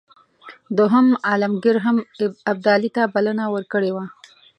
دوهم عالمګیر هم ابدالي ته بلنه ورکړې وه.